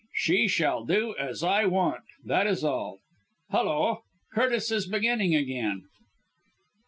She shall do as I want that is all! Hulloa! Curtis is beginning again."